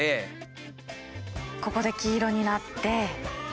ここで黄色になって。